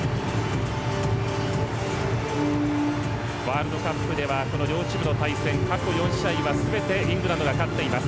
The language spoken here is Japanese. ワールドカップではこの両チームの対戦過去４試合はすべてイングランドが勝っています。